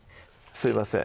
すいません